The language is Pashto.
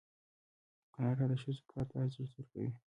کاناډا د ښځو کار ته ارزښت ورکوي.